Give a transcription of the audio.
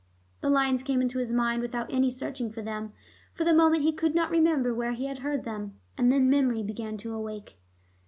The lines came into his mind without any searching for them; for the moment he could not remember where he had heard them. And then memory began to awake.